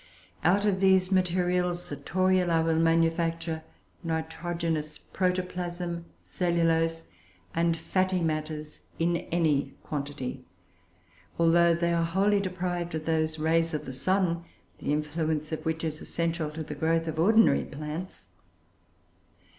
Out of these materials the Toruloe will manufacture nitrogenous protoplasm, cellulose, and fatty matters, in any quantity, although they are wholly deprived of those rays of the sun, the influence of which is essential to the growth of ordinary plants.